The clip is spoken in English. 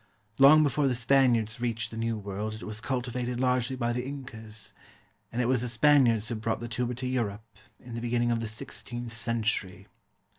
Long before the Spaniards reached the New World it was cultivated largely by the Incas; and it was the Spaniards who brought the tuber to Europe, in the beginning of the sixteenth century.